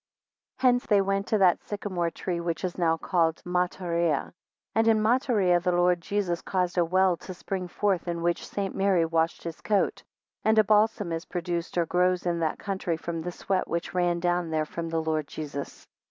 9 Hence they went to that sycamore tree, which is now called Matarea. 10 And in Materea the Lord Jesus caused a well to spring forth, in which St. Mary washed his coat; 11 And a balsam is produced, or grows, in that country, from the sweat which ran down there from the Lord Jesus.